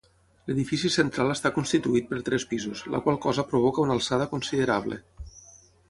L'edifici central està constituït per tres pisos, la qual cosa provoca una alçada considerable.